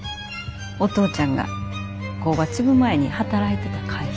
お父ちゃんが工場継ぐ前に働いてた会社。